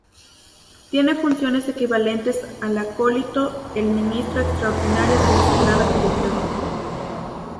Tiene funciones equivalentes al acólito el Ministro extraordinario de la Sagrada Comunión.